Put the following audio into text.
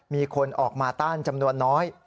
มีคนออกมาต้านจำนวนน้อย